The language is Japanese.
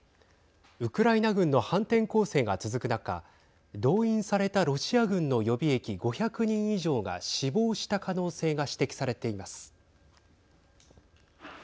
ウクライナ軍の反転攻勢が続く中動員されたロシア軍の予備役５００人以上が死亡した可能性が指摘されています。